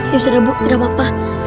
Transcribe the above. ya sudah bu tidak apa apa